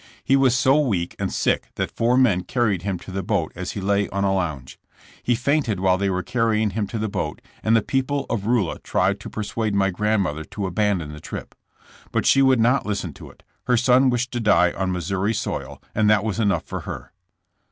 He was so weak and sick that four men carried him to the boat as he lay on a lounge. He fainted while they were carrying him to the boat, and the people of Rulla tried to per suade my grandmother to abandon the trip. But 64 JSSSS JAMES. she would not listen to it. Her son wished to die on Missouri soil and that was enough for her.